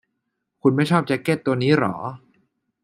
คุณไม่ชอบแจ๊คเก็ตตัวนี้หรอ